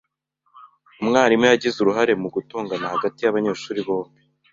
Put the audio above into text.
Umwarimu yagize uruhare mu gutongana hagati y’abanyeshuri bombi.